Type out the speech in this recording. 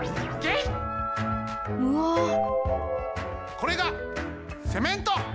これがセメント！